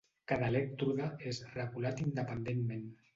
Cada elèctrode és regulat independentment.